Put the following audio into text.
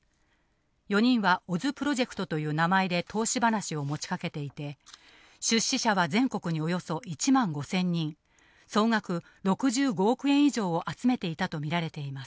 ４人はオズプロジェクトという名前で投資話を持ち掛けていて、出資者は全国におよそ１万５０００人、総額６５億円以上を集めていたと見られています。